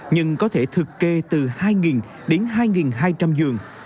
nhưng có thể thực kê từ hai đến hai hai trăm linh giường